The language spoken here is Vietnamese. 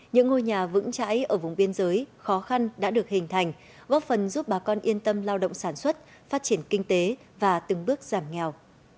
những ngôi nhà vững chãi ở vùng biên giới khó khăn đã được hình thành góp phần giúp bà con yên tâm lao động sản xuất phát triển kinh tế và từng bước giảm nghèo